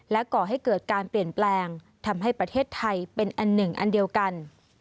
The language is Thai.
ก่อให้เกิดการเปลี่ยนแปลงทำให้ประเทศไทยเป็นอันหนึ่งอันเดียวกัน